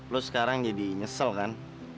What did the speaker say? lo sekarang jadi nyesel kan